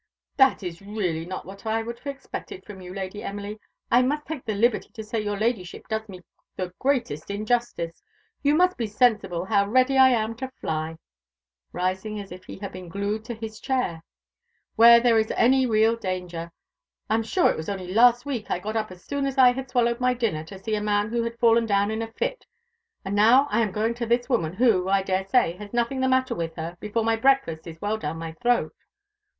"That is really not what I would have expected from you, Lady Emily. I must take the liberty to say your Ladyship does me the greatest injustice. You must be sensible how ready I am to fly," rising as if he had been glued to his chair, "when there is any real danger. I'm sure it was only last week I got up as soon as I had swallowed my dinner to see a man who had fallen down in a fit; and now I am going to this woman, who, I daresay, has nothing the matter with her, before my breakfast is well down my throat."